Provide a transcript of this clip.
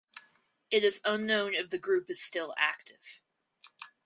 It is unknown if the group is still active.